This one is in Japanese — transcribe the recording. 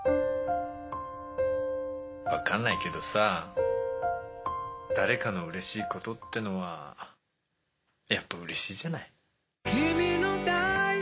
わかんないけどさ誰かのうれしいことってのはやっぱうれしいじゃない。